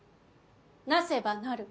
なせばなる。